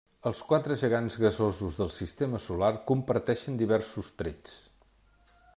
Els quatre gegants gasosos del sistema solar comparteixen diversos trets.